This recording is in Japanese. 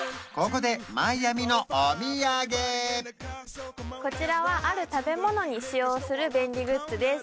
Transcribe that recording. ここでマイアミのお土産こちらはある食べ物に使用する便利グッズです